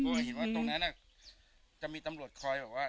เพราะว่าเห็นว่าตรงนั้นจะมีตำรวจคอยว่า